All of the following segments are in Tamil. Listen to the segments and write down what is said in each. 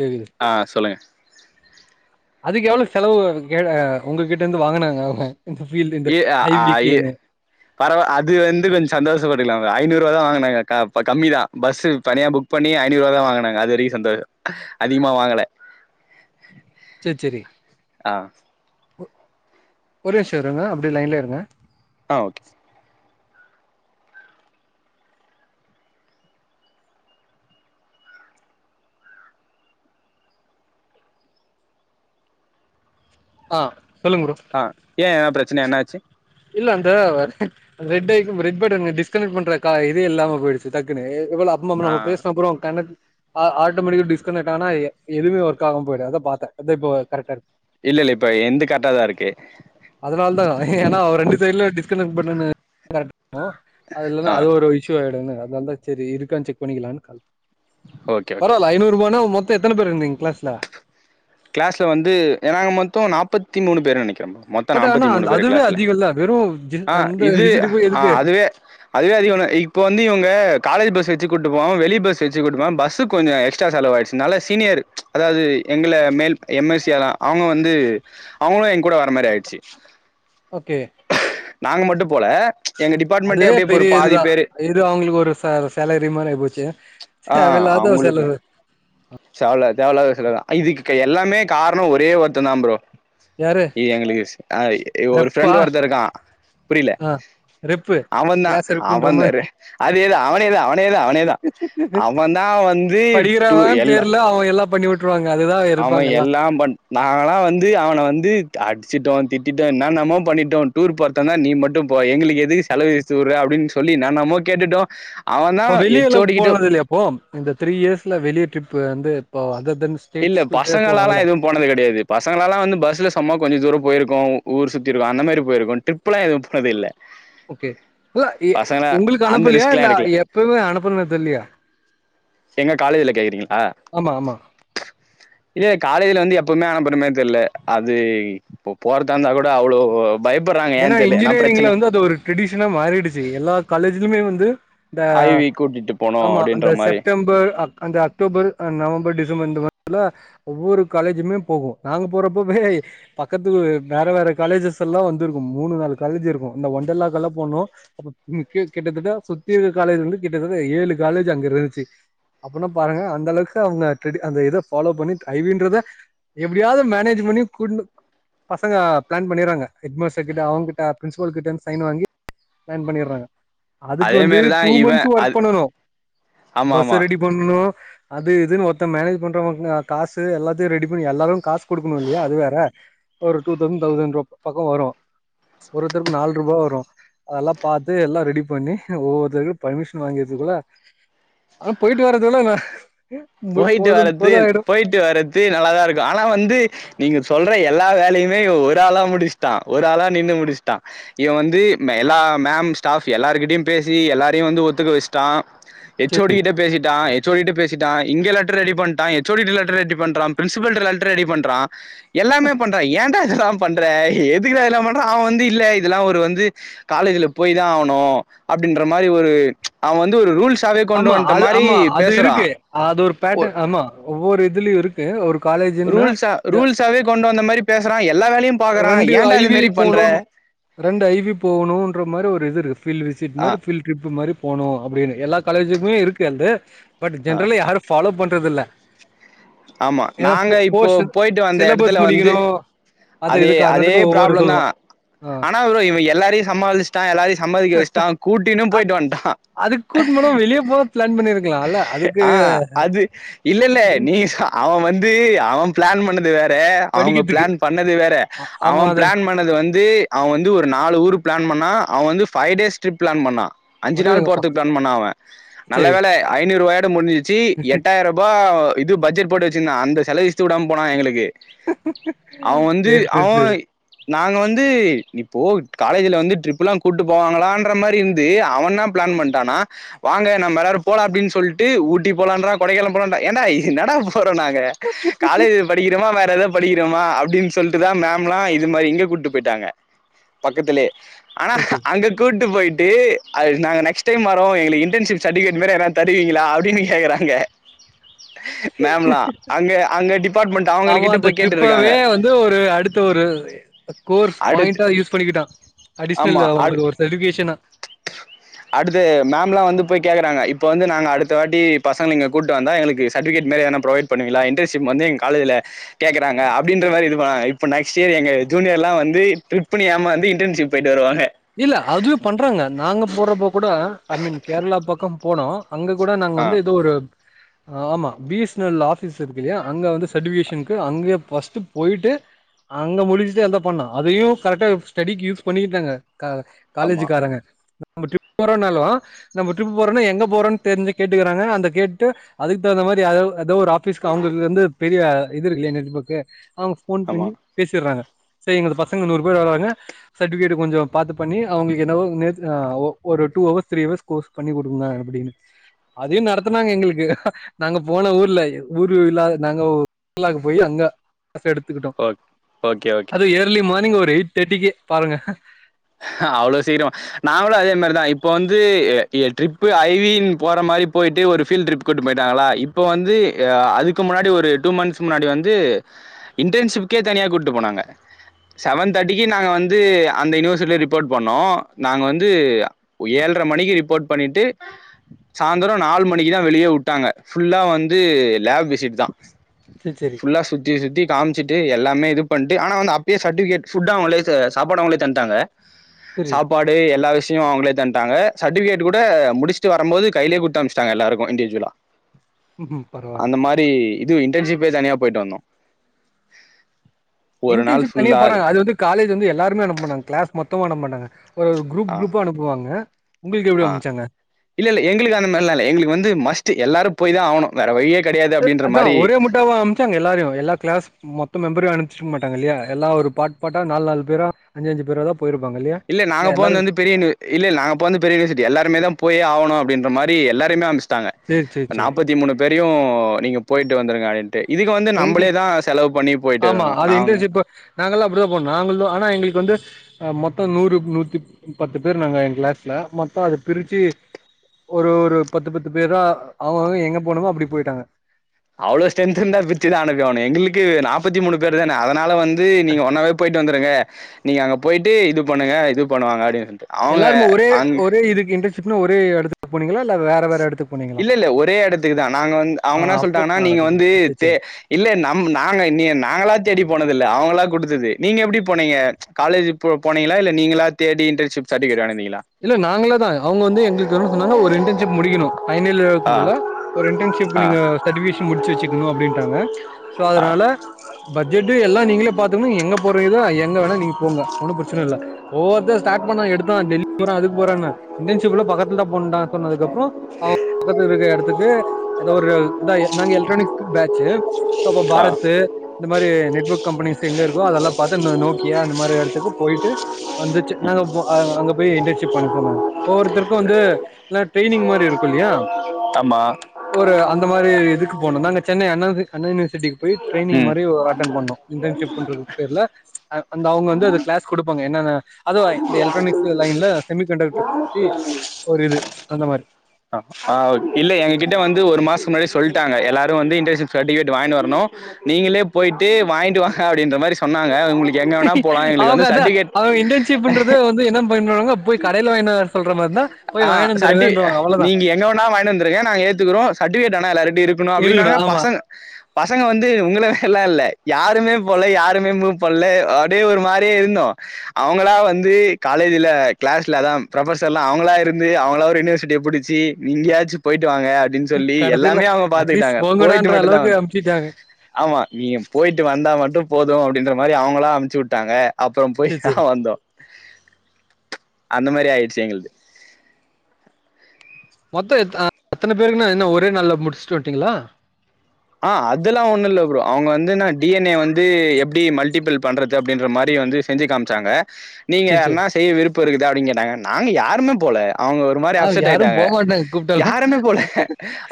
கேக்குது ஆஹ் சொல்லுங்க அதுக் எவ்ளோ செலவு உங்ககிட்ட இருந்து வாங்கனாங்க அவுங்க ஏ அ ஆ எ பரவ அது வந்து கொஞ்ச சந்தோசப்பட்டுகலா ஐநூறு ரூவா தா வாங்கனாங்க கா கம்மிதா பஸ் தனியா புக் பண்ணி ஐநூறு ரூவா தா வாங்கனாங்க அது வரைக்கு சந்தோஷ அதிகமா வாங்கல செரி செரி ஆ போ ஒரே நிம்ஷ இருங்க அப்டே லைன்லே இருங்க ஆஹ் ஓகே ஆஹ் ஆஹ் ஏன் பிரச்ச சனை என்னாச்சு இல்ல அந்த வற ரெட் ஐக்கம் ரெட்பட்டன் டிஸ் கட் பண்ற இது இல்லாம போயிடுச்சு டக்குன்னு எவ்ளோ அப்மம் ஆ பேசுன அப்றம் கணக்கு ஆட்டோமேட்டிக் டிஸ்கனெக்ட்டிவ் ஆனா எதுவுமே ஒர்க் ஆகாம போயிடு அதா பாத்தேன் இப்ப கரெக்டா இருக்கு இல்ல இல்ல இப்ப என்து கரக்டாதா இருக்கு அதனால தா ஏன்னா ரெண்டு சைட்டுல டிஸ்கனெக்ட் பண்ரேனு கரெக்டா இருக்கு ஆ அது ஒரு இஷ்யூ ஆகிடுங்க அதனால தான் சரி இருக்கான்னு செக் பண்ணிக்கலானு தா கால் ஓகே ஓகே பரவால்ல ஐநூறு ரூபானா மொத் தம் எத்தன பேர் இருந்தீங்க கிளாஸ்ல கிளாஸ்ல வந்து நாங்க மொத்தம் நாப்பத்தி மூணு பேர் நெனைக் மொத்த பட் ஆனா நாற்பத்தி மூணு அந்த பேர் அதுவே கிளாஸ்ல அதிகல்ல வெறு ஜி ஆஹ் அந்த இது விசிட்டுக்கு போய் எதுக்கு அது அது இப்ப வந்து இவங்க காலேஜ் பஸ் வச்சு கூட்டுப்போவாம் வெளி பஸ் வச்சு கூட்டுபோவாம் பஸ் கொஞ்சம் எக்ஸ்ட்ரா செலவாயிடுச்சு அதுனால சீனியர் அதாவது எங்கள மேல் எம் எஸ் அவங்க வந்து அவங்களும் எங்கூட வர மாரி ஆயிடுச்சு ஓகே நாங்க மட்டும் போல எங்க டிபார்ட்மெண்ட்டே அதுவே அப்டியே ஒரு பெரிய பாதி இதுதான் பேரு எது அவங்களுக்கு ஒரு சேலரி மாரி ஆயிபோச்சு ஆ தேவஇல்லாத ஒரு செலவு தேவலாத செலவு தான் இதுக் எல்லாமே காரணம் ஒரே ஒருத்த தான் ப்ரோ யாரு எங்களுக்கு ஒரு ரெப்பா ஃப்ரெண்ட் ஒருத்த இருக்கான் புரியல ஆ ரெப்பு அவன் தான் கிளாஸ் ரெப்புன்ற அவன் மாரி ஏது அவன ஏது அவன அவனேதான் அவனேதான் அவன் தான் வந்து டூ எல்ல பன்னி வுட் அவன் எல்லாம் பண் நாங்கலாம் வந்து அவன வந்து அடி ச்சிட்டோம் திட்டோம் என்ன்னமோ பண்ணிட்டோம் டூர் போர்த்த தான் நீ மட்டும் போ எங்களுக்கு எதுக்கு செலவு இழுத்தூற அப்படின்னு சொல்லி என்னனமோ கேட்டுட்டோம் இப்ப வெளியஅவ்ளோக்கு போனது இல்லையாப்போ இந்த த்ரீ இயர்ஸ்ல வெளிய ட்ரிப் வந்து ஓ அது இல்ல பசங்களலாம் எதுவும் போனது கெடையாது பசங்களாலாம் வந்து பஸ்ல சும்மா கொஞ்சம் தூரம் போயிருக் ஊர் சுத்தி இருக்கும் அந்த மாரி போயிருக்கும் ட்ரிப் எது போனது இல்ல ஓகே பசங்களா உங்களுக்கு அந்த அனுப்பலையா ரிஸ்க்லா இல்ல எடுக்கல எப்பமே அனுப்புனதில்லையா எங்க காலேஜ்ல கேக்றீங்க ஆஹ் ஆமா ஆமா இல்ல கா ல வந்து எப்பவுமே அனுப்புறமே தெரியல அது இ போற தா இருந்தா கூட அவ்வளோ ஏன்னா இன்ஜினியரிங்ல வந்து அது ஒரு ட்ரெடிஷனா மாறிடுச்சு எல்லா காலேஜ்லயுமே வந்து இந்த ஐவி கூட்டிட்டு போனோ ஆமா அப்டின்ற அந்த மாரி செப்டம்பர் அந்த அக்டோபர் நவம்பர் டிச வந்தத ஒவ்வொரு காலேஜுமே போகும் நாங்க போறப்பவே ஏய் பக்கத்துக்கு வேற வேற காலேஜஸ் எல்லாம் வந்துரு மூனு நாலு காலேஜிருக்கும் இந்த ஒன்டர்லா கெல்லாம் போனோம் அப்ப கிட்டதட்ட சுத்தியிருக்க காலேஜி வந்து கிட்டதட்ட ஏழு காலேஜி அங்கிருந்துச்சு அப்பனா பாருங்க அந்த அளவுக்கு அவுங்க அந்த இத ஃபாலோ பண்ணி ஐவின்றத எப்படியாச்சும் மேனேச் பண்ணி கூட்னு பசங்க பிளன் பன்னிறாங்க எட்மாஸ் கிட்ட அவங்க கிட்ட பிரின்ஸ்பால் கிட்டிருந்து சையின் வாங்கி சையின் பண்ணிடுறாங்க அதுக்கு அதே வந்து மாரிதா டூ இவ மந்த்ஸ் ஒர்க் அது பண்ணனும் ஆமா பஸ்ஸ ஆமா ரெடி பண்ணனும் அது இதுன்னு ஒருத்த மேனேஜ் பண்றவங்க காசு எல்லாத்தையும் ரெடி பண்ணி எல்லாரும் காசு குடுக்கணும் இல்லையா அது வேற ஒரு டூ தௌசண்ட் தௌசண்ட் பக்கம் வரும் ஒருத்தருக்கு நாலு ரூபா வரும் அதெல்லாம் பாத்து எல்லாம் ரெடி பண்ணி ஒவ்வொருத்தருக்கும் பர்மிஷன் வாங்கிறதுக்குள்ள ஆனா போயிட்டு வரதுகுல்ல போயிட்டு வர்றது போயிட்டு வர்றது நல்லாதான் இருக்கும் ஆனா வந்து நீங்க சொல்ற எல்லா வேலையுமே இவன் ஒரு ஆளா முடிச்சுட்டான் ஒரு ஆளா நின்னு முடிச்சுட்டான் இவன் வந்து எல்லா மேம் ஸ்டாஃப் எல்லாரருகிட்டயையும் பேசி எல்லாரையும் வந்து ஒத்துக்க வச்சுட்டான் எச்சோடி கிட்ட பேசிட்டான் எச்சோடி பேசிட் டாய் இங்க லெட்டர் ரெடி பண்ணிட்டான் எச்சோடி லெட்டர் ரெடி பண்றான் பிரின்சிபல்ட லெட்டர் ரெடி பண்றான் எல்லாமே பண்றான் ஏன் ஏண்டா இதெல்லாம் பண்ற எதுக்குடா இதெல்லாம் பண்ற அவன் வந்து காலேஜ்ல போய் தான் ஆவணும் அப்படின்ற மாரி ஒரு ச் அவன் வந்து ஒரு ரூல்ஸ் ஆமா அது ஆமா அது இருக்கு அது ஒரு பேட் ஆமா ஒவ்வொரு இதுலயும் இருக்கு ஒரு காலேஜ்ன்னா ரூல்ஸ்சா இந்த ரூல்ஸாவே கொண் கொண்டு வந்த மாரி பேசுறான் ரெண்டு ஐவி போணும் ரெண்டு ஐவி போணுன்ற மாரி ஒரு இதுருக்குது ஃபில் விசிட் ஆ மாரி ஃபில் ட்ரிப் மாரி போணும் அப்படின்னு எல்லா காலேஜுக்குமே இருக்கு அங்க பட் ஆ ஜென்ரலா யாரு ஃபலோ பண் ண்ற தில்ல ஆமா நாங்க இப்போ போயிட்டு வந்த சிலபஸ் இடத்துல வந்து முடிக்கணும். அது இது அதே அதே காரணத்துக்கு ஒவ்வொரு ப்ராப்ளம் சொல்லுவோம். தான் ஆ ஆனா ப்ரோ இவன் எல்லாரையும் சமாளிச்சுட்டான் எல்லாரையும் சம்மதிக்க வச்சுட்டான் கூட்டினும் அ போயிட்டு வந்துட்டான் அதுக்கு கூட்ன்னு போனா வெளிய போக பிளான் பண்ணிருக்கலாம்ல்ல. அதுக்கு ஆஹ் அது இல்ல இல்ல நீ அவன் வந்து அவன் பிளான் பண்ணது வே தே அவங்க படிக்கிறதுக்கு. பிளான் பண்ணது வேற அ ஆமா அவன் அத பிளான் பண்ணது வந்து அவன் வந்து ஒரு நாலு ஊரு பிளான் பண்ணான் அவன் வந்துஃபைவ் டே ட்ரிப் பிளான் பண்ணான் அஞ்சு அப்டியே நாள் எங்கப்பா போறதுக்கு பிளான் பண்ண அவன் நல்ல சரி. வேலை ஐநூறுவாய் அட்டென் பண்னி சி எட்டாயிர ரூபா இது பட்ஜெட போட்டு வச்சிருந்த அந்த செலவச்சுட்டு விடாம போனா எங்களுக்கு அவ வந்து சரி, அவ சரி, சரி, நான் நாங்க வந்து இப்போ காலேஜ் வந்து ட்ரிப் எல்லா போவாங்களா மாறி இருந்து அவனா பிளான் பண்ணிட்டானா வாங்க நம்ம எல்லா போலா அப்டின்னு சொல்லிட்டு ஊட்டி போலன்றள் கொடைக்கானல் போலன்ற ஏண்டா இன்னடா போறோம் நாங்க காலேஜ் படிக்கிறோமா வேற எத வலி ம்மல் அப்டின்னு சொல்லிட்டுதான் நாம்ல இது மாரி இங்க கூட்டட்டு போயிட்டாங்க பக்கத்துலயே ஆனா சரி, சரி. அங்க கூட்டு போயிட் ட்டே அதுகு நாங்க நெக்ஸ்ட் டைம் வரவே எங்களுக்கு இன்டன்ஷிப் சர்டிகேட்மோரி ஏதாது தருவிங்களாஅப்டின்னு கேக்குறாங்க ஹா மேம்லா அங்க அங்க டிபார்ட்மெண்ட் அவங்க ளகிட்டக் போய் கேட்டுருக்காங்க திட்ப்பாவே வந்து ஒரு அடுத்த ஒரு கோர்ஸ் அடுத்து பாயிண்டா யூஸ் பண்ணிக்கிட்டா ஆமா அடிஷ்னல அடு அவனுகு ஒரு தெட்டிஃபிகேசனா ந்து இப்பவந்து அடுத்த வாட்டி பசங்இங்க கூட்டுவந்த எங்களுக்கு சட்டுவிகேட் மெரி எதுன ப்ரைவட் பண்ணுவிகளா இன்டன்ஷிப் வந்து எங்க கலோஜியில கேக்கறங்கு நெக்ஸ்ட் இயர் எங்க ஜூனியர் எலாம் வந்துட்ரிப் பண்ணியாமந்து இன்ர்ன்ஷிப் போயிட்டு வருவாங்க போரபோ அபகூட அட் மின் கேரளா பக்கம் போனோ அங்க கூட நாங்க ஆ வந்து ஏதோ ஒரு ஆம்மா பிஎஸ்னல் ஆபிஸ் இருக்குலயா அங்க வந்து சட்டிபிகேஷனுக்கு அங்க ஃபஸ்ட் டு போயிட்டு அங்க முடிச்சுட்டு என பண்ணா அதயு கரெக்டா ஸ்டெடிக்கு யூஸ் பண்ணிக்கிட்டாங்க கா ஆமா காலேஜுக்காராங்க நம்ம ட்ரிப் போறோனால நம்ம ட்ரிப் போறோனா எங்க போறோம்ன்னு தெரிஞ்சு கேட்டுக்கிறாங்க அந்த கேட்டு அதுக்கு தகுந்த மாரி அதோ ஒரு ஆபிஸ்க்கு அவங்களுக்கு இருந்து பெரிய இதுயிருக்கிலய நெட்ஒர்க் அவக போன் ஆமா பண்ணி பேசியறாங் சேரி எங்க பசங்க நூறு பேர் வறாங்க சடிவிகேட் கொஞ்ச பாத்து பண்ணி அவங்களுக்கு என்னவோ நோத் ஒரு two hours three hours course பண்ணி குடுங்க அப்டின்னு அதயும் நடத்தனாங்க எங்களுக்கு நாங்க போன ஊர்ல ஊரு இல்ல நாங்கஊ போய் அங்க கசஎடுத்துக்கிட்டோம் ஓக் ஓகே ஓகே அது இயர்லி மார்னிங் ஒரு எயிட் தெட்டிக்கு பாருங்க ஹாவ்வளவு சீக்கரமஹா நா கூட அதே மாரிதான் இப்ப வந்து பே ஏ ய ட்ரிப் ஐவின் போறமாரி போய்ட்டுஒருப்ல் ட்ரிப்கூட்டு போயிரகளாஇப்ப வந்து ஹா அதுக்கு முன்னாடி டு மன்ஸ்வந்து ஹா இன்டஷிப்பேகே தனிய கூட்டுஃபோனக செவன் தேட்டிக்கே நாங்க வந்து அத யூனிஸ் ரிப்போர்ட் பண்ணோம் நாங்க வந்து ஏழ்ர மணிக்கு ரிப்போர்ட் பண்ணிட்டு சாயந்தரம் நாலு மணிக்கு தான் வெளிய விட்டாங்க புல்லா வந்து லேப் விசிட் தான் சேரி சேரி புல்லா சுத்தி சுத்தி காமிச்சிட்டு எல்லாமே இதுபண்ட்டு அன வந்து அப்பேசட்டிவிகேட் புட் சாப்பாடுஅவகளோ தன்டக ஹா புரியுது சாப்பாடு எல்லா விஷா எலதியோ அவங்களே தன்டக சட்டிவிகேட் கூட முடிச்சுட்டு வரும்போது கையிலே குத்தமாசிட்டக எல்லாருகும் இன்டிஜுவலா ஊஹும் பரவால்ல இது இன்டர்ஜீப்புளே தனியா போயிட்டு வந்தோ ஒரு நாள் இன்டர்ஜீப் தனியா ஃபுல்லா போனா அது வந்து காலேஜ் வந்து எல்லாருமே அனுப்புமாட்டங்க கிளேஸ் மட் மெத்துமா அனுப்புமாட்டங்க ஒரு குரூப் குரூப்பா அனுப்புவாங்க உங்களுக்கு எப்டி ஆஹ் அனுப்ச்சாங்க இல்லல்ல எங்குளுக்கு அந்த மாரியில்லா இல்ல எங்குளுக்கு வந்து மஸ்டி எல்லாரு போய்தா ஆவுணு வேற வலியே இல் ஹ அதா ஒரே முட்டாவ அமைச்சா எல்லாரையு எல்லா கிளாஸ் மொத்த மெம்பரையு அனுப் ச்சு மாட்டாங்கில்லீயா எல்லா ஒரு பாட் பாட்டா நால் நால் பேர அஞ்சு அஞ்சு பேர்தாப் இல்ல நாங்க போனது வந்து பெரியனு இல்ல நாங்க போனந்து பெரிய வீசிட்டி எல்லாருமே தா போயே ஆகணு அப்டின்ற மாரி ட்டி எல்லாரையுமே அமிச் ட்டாங்க சேரி சேரி சேரி நாப்பத்தி மூணு பேரையு நீங்க போயிட்டு வந்துருங்க இப்டி ட்டு இதுக்கு வந்து எங்க நம்புளேதா செலவு பண்ணி போயிட்டு ஆமா வரணும். அது நான் இன்டர்ன்ஷிப்பு நாங்குல்லா ப்ரோ இல்ல ப்ரோ நாங்குளா ஆனா எங்குளுக்கு வந்து மொத்த நூறு நூத்தி பத்து பேரு நாங்க எ கிளாஸ்ல மொத்தோ அத பிரிச்சு ஒரு ஒரு பத்து பத்து பேரா அவுங்கங் எங்க போனுமோ அப்டி போயிட்டாங்க அவ்வுளோ ஸ்ட்ரெந்து இருந்தா பிரிச்சு தானபீ எங்குளுக்கு நாப்பத்தி மூணு பேர் தான அதுனால வந்து இது நீங்க ஒன்னாவே போயிட்டு வந்துருங்க நீங்க அங்க போயிட்டு இதுப் பண்ணுங்க இது பண்ணுவாங்க அப்டின் எல்லாருமே ஒரே ஒரே இதுக்கு இன்டர்ஷிப்னு ஒரே எடுத்து இப்ப போனீங்குளான் இல்ல இல்ல ஒரே எடத்துக்கு தா நாங்க வந்து ஆ அவுங்க என்ன அப்போ க சொல்டாங்கன்னா நீங்க அதுதான். வந்து ஓ! சரி, தே சரி. இல்ல நம் நாங்க நீ நாங்களா தேடி போனது இல்ல அவுங்குளா குடுத்தது நீங்க எப்டி போனீங்க காலேஜ் போ போனீங்கிளா இல்ல நீங்கிளா தேடி இன்டர்ன்ஷிப் சர்ட்ஃபிகெட் [unintelligible] இல்ல நாங்குளதா அவுங்க வந்து எங்குளுக்கு சொன்னாங்க ஒரு இண்டன் ஜிப் முடிக்கணு ஆ ஃபைனீலியர்க்குள்ள ஒரு இன்டன்ஷிப் ஆ நீங்க ஷட்வீயஷ் முடிச்சி வெச்சிருக்கனு அப்டின்டாங்க சோ ஆ அதுனால பஜ்ஜேடு எல்லா நீங்குளே பாத்துக்கனு எங் எங்க போறி எதோ எங்க வேணா நீங் போங்க ஒன்னு பிரச்சின்ன இல்ல ஒவ்வொருத்த ஸ்டார்ட் பண்ண எடுத் டோ டெலிட் போற அதுக்கு போறன்ன இன்டர்ன்ஷிப்ல பக்கத்து தா போண்டா சொன்னதுக்கப்புறோ அவுங் பக்கத்து இருக்குற எடத்துக்கு ஏதோ ஒரு எந்தா நாங்க எல்ட்ரானிக் க்கு பேட்ச்சுஇப்ப ஆ பாரத்து இந்த மாரி நெட்வொர்க் கம்பெனிஸ்சுங்கு இருக்கோ அதெல்லா பாத்து நோ நோக்கியா இந்த மாதிரி எடத்துக்கு போயிட்டு வந்துச்சு நாங்க ம் போ அங் அங்க க்கி இன்டர்ஷிப் பண்ணிகோனு ஒவ்வொருத்தருக்கும் வந்து என்னா ட்ரைனிங் மாரி இருக்குல்லியா ஆமா ஒரு அந்த மாரி எதுக்கு போனம் நாங்க சென்னை அண்ணா அண்ணா யுனிவஸ் போய் ட்ரைனிங் ம் மாரி அட்டன் பன்னனும் இன்டன்சிப்ன்ர பேர்ல அவுங்க வந்து கிளாஸ் கொடுப்பாங்க என்னன்ன அதுவும் இந்த எலக்டரானிக்ஸ் இந்த லைன்ல செமி கண்டக்டர் பத்தி ஒரு இது அந்த மாரி ஆ இல்ல எங்க கிட்ட வந்து ஒரு மாசம் முன்னாடி சொல்லிட்டாங்க எல்லாரும் வந்து இன்டன்சிப் சர்ட்ஃபிகெட் வாய்ன்டு வரணும் நீங்களே போயிட்டு வாங்கிட்டு வாங்க அப்டின்ற மாரி சொன்னாங்க அது உங் அவங்தான் அவங்க இண்டன்ஷீப்ன்றத வந்து என்ன பயன்படுறாங்க ஆஹ் சரி வந்துருங்கன்றுவாங்க அவ்ளோதா நீங்க எங்க வேனா வாங்கினு வந்துருங்க நாங்க ஏத்துக்கிறோம் சர்ட்டிபிகேட் ஆனா எல்லார்ட்டயும் இருக்கணும் இருக்கணு அப்படின்னாங்க ஆமா பசங்க பசங்க வந்து உங்களதா எல்லாம் இல்ல யாருமே போவ்ல யாருமே மூவ் பன்னல் அப்படியே ஒரு மாரியே இருந்தோம் அவங்களா வந்து காலேஜ்ல கிளாஸ்ல தான் ப்ரொபசர்ல்லாம் அவுங்களா இருந்து அவுங்களா யூனிவர்சிட்டியை புடிச்சு இங்கயாச்சும் போயிட்டு வாங்க அப்படின்னு சொல்லி கடசில எல்லாமே அவங்க அட்லீஸ்ட் பாத்துக்கிட்டாங்க போயிட்டு போங்கடான்ற அளவுக்கு மட்டும்தான் அமுச்சிட்டாங்க ஆமா நீ போயிட்டு வாங்க வந்தா மட்டும் போதும் அப்படின்ற மாரி அவங்களா அமுச்சு விட்டாங்க அப்புறம் போய் சேர் சேரி தான் வந்தோம் அந்த மாரி ஆயிடுச்சு எங்களது மொத்தம் எத்தனை பேருக்குன்னா என்ன ஒரே நாள் முடிச்சுட்டு வந்டீங்ளா ஆஹ் அதெல்லாம் ஒண்ணும் இல்ல ப்ரோ அவங்க வந்து ந டிஎன்ஏ வந்து எப்படி மல்டிபிள் பண்றது அப்படின்ற மாரி வந்து செஞ்சு காமிச்சாங்க நீங்க சேர் சேரி என்னா செய்ய விருப் இருக்குதா அப்படின்னு கேட்டாங்க நாங்க யாருமே போல அவுங்க ஒரு மாரி ஆ அப்செட் யாரு ஆயிட்டாங்க போமாட்டாங்க கூப்ட்டாலு யாருமே போல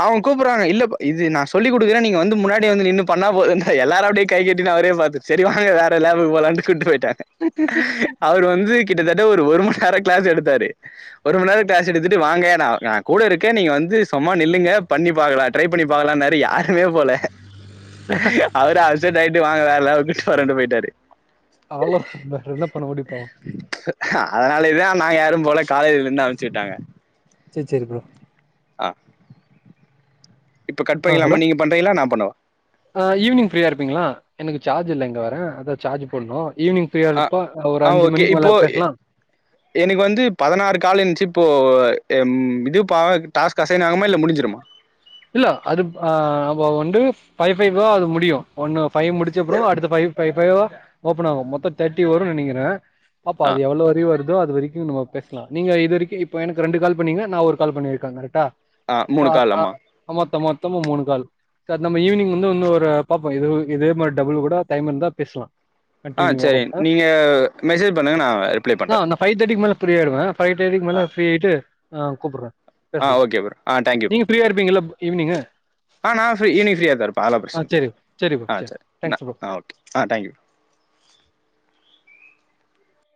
அவுங்க கூப்பிடுறாங்க இல்ல இது நான் சொல்லி கொடுக்குற நீங்க வந்து முன்னாடி வந்துநின்னு பண்ண எல்லாரே கை கட்டி அவுரே சரி வாங்க வேற லேப்க்கு போலான்ட்டு கூட்டு போயிட் ட்ட அவர் வந்து கிட்டத்தட்ட ஒருமண்நேரம் கிளாஸ் எடுத்தாரு ஒரு மண் நேரம் கிளாஸ் எடுத்துட்டு வாங்க நா நா கூட இருக்கேன் நீங்கவந்து சும்மா நில்லுங்க பண்ணி பாக்கலாம் ட்ரை பண்ணி பாக்கலான்னாரு போல அவரு அட்செட் ஆய்டு வாங்கறா எல்லா அவக்கிட்டு வரண்டண்டு போயிட்டாரு அவளோ வேற என்ன பண்ண முடியம் பாவம் அதனாலேதான் நாங்க யாரும் போல காலேஜ்லருந்து அமிச்சு விட்டாங்க சேரி சேரி பா ஆஹ் இப்ப கட்பண்றீங்களாமா நீங்கபண்றீங்களா நான் பண்ணுவா ஆஹ் ஈவினிங்ஃப்ரீயா இருப்பீங்களா எனக்கு சார்ஜ் இல்லங்க வர அதா சார்ஜ் போடணும் ஆஹ் ஆஹ் ஓகே இப்போ பேசலா எனக்கு வந்து பதினாறு கால் இருந்துச்சு இப்போ இது டாஸ்க் அசைன ஆகுமா இல்ல முடிஞ்சிருமா இல்ல அது ஆஹ் நம்ம வந்து ஃபைவ் ஃபைவா அது முடியும் ஒன்னு பைவ் முடிச்ச அப்புறம் அடுத்த ஃபைவ் ஃபைவ்வா ஓபன் ஆகும் மொத்தம் தேர்ட்டி வரும்ன்னு நெனைக்கிறேன் பாப்பா ஆ அது எவ்ளோ வரி வருது அது வரைக்கும் நம பேசலாம் நீங்க இது வரைக்கும் இப்ப எனக்கு ரெண்டு கால் பண்ணீங்க நான் ஒரு கால் பண்ணியிருக்கேன் கரக்டா ஆஹ் மூணு கால்லம்மா ஆமாத்த மொத்தமா மூணு கால் சார் நம்மஈவினிங் வந்து ஒன்ன ஒருரோம்து இதே மாதிரி டபுள் கூட டைம் இருந்தா பேசலாம் ஆ சரி கண்டினியூவ்வா நீங்க மெசேஜ் பண்ணுங்க நா ரிப்ளை பண்றே ஃபைவ்தேடிக்கு மேல ஃப்ரீயாடுவேன் ஃபைவ் தேடிக்கு ஆ மேல ஃப்ரீ ஆயிட்டு ஆஹ் கூப்பறேன் ச நீங்க ஃபிரீயா இருப்பீங்களா ஆஹ் நான் ஃப்ரீ இனி ஃப்ரீயா த இருப்பேன் ஆளம் ஆ பிரச்சனை சரி சரி ப்ரோ ஆஹ் சரி சரி் தேங்க்ஸ் ப்ரோ ஓகே ஆஹ் தேங்க்யூ